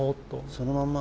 そのまんま。